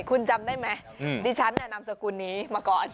คุณจำได้ไหมดิฉันเนี่ยนามสกุลนี้มาก่อน